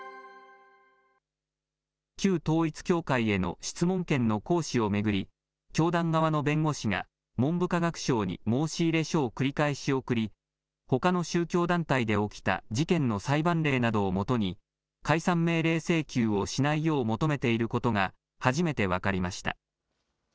旧統一教会への質問権の行使を巡り、教団側の弁護士が文部科学省に申し入れ書を繰り返し送り、ほかの宗教団体で起きた事件の裁判例などをもとに解散命令請求をしないよう求めていることが、初めて分かりました。